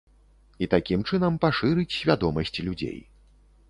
І такім чынам пашырыць свядомасць людзей.